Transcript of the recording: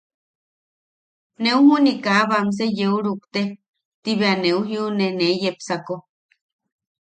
Neu juni kaa banse yeu rukrukte –ti bea neu jiune nee yepsako.